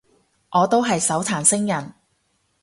我都係手殘星人